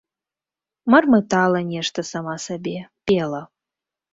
Мармытала нешта сама сабе, пела.